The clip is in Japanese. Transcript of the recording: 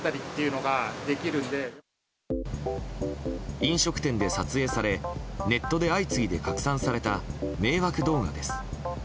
飲食店で撮影されネットで相次いで拡散された迷惑動画です。